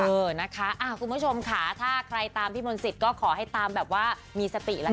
เออนะคะคุณผู้ชมค่ะถ้าใครตามพี่มนต์สิทธิ์ก็ขอให้ตามแบบว่ามีสติแล้วกัน